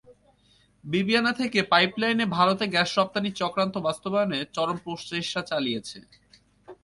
বিবিয়ানা থেকে পাইপলাইনে ভারতে গ্যাস রপ্তানির চক্রান্ত বাস্তবায়নে চরম প্রচেষ্টা চালিয়েছে।